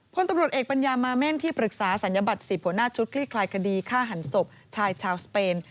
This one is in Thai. พลตำรวจเอกปัญญามาเม่นที่ปรึกษาศัลยบัตร๑๐หัวหน้าชุดคลี่คลายคดีฆ่าหันศพชายชาวสเปน